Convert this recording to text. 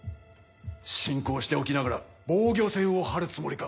侵攻しておきながら防御線を張るつもりか。